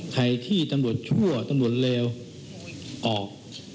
ใครที่ตำบดชั่วตำบดเลวออก